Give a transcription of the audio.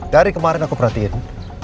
dari kemarin aku perhatiin